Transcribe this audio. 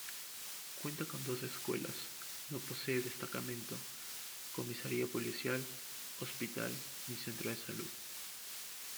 Cuenta con dos escuelas, no posee destacamento, comisaría policial, hospital ni centro de salud.